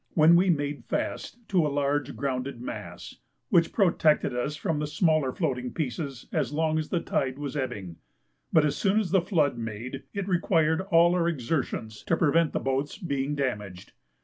when we made fast to a large grounded mass, which protected us from the smaller floating pieces as long as the tide was ebbing; but as soon as the flood made, it required all our exertions to prevent the boats being damaged.